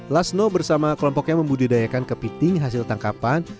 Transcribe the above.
lasno bersama kelompoknya membudidayakan kepiting hasil tangkapan